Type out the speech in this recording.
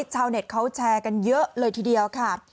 ชาวเน็ตเขาแชร์กันเยอะเลยทีเดียวค่ะ